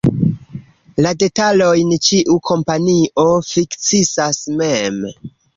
La detalojn ĉiu kompanio fiksas mem.